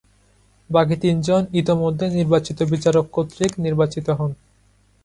বাকি তিনজন ইতোমধ্যে নির্বাচিত বিচারক কর্তৃক নির্বাচিত হন।